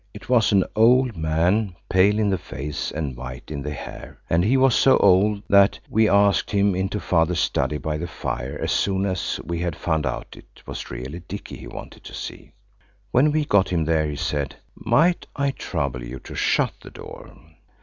It was an old man, pale in the face and white in the hair, and he was so old that: we asked him into Father's study by the fire, as soon as we had found out it was really Dicky he wanted to see. When we got him there he said– "Might I trouble you to shut the door?"